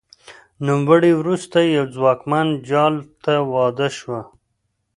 نوموړې وروسته یوه ځواکمن جال ته واده شوه